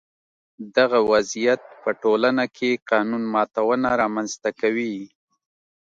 دغه وضعیت په ټولنه کې قانون ماتونه رامنځته کوي.